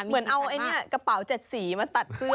เหมือนเอากระเป๋า๗สีมาตัดเสื้อ